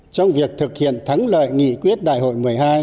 trong việc thực hiện thắng lợi nghị quyết đại hội một mươi hai